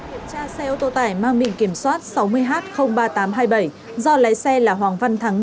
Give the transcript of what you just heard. kiểm tra xe ô tô tải mang biển kiểm soát sáu mươi h ba nghìn tám trăm hai mươi bảy do lái xe là hoàng văn thắng